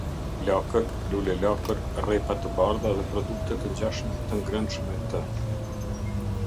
Lakër, lule-lakër, rrepa të bardha dhe produkte të ngjashme të ngrënshme të.